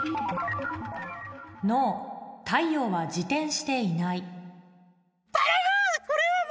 太陽は自転していない頼む！